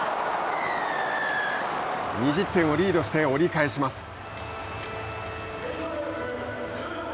２０点をリードして折り返します。